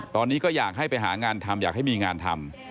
ตอนนี้ก็อยากให้ไปหางานทำอยากให้มีงานทำ